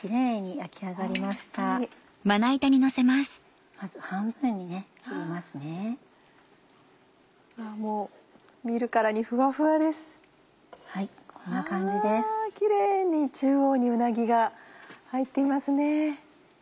キレイに中央にうなぎが入っていますね。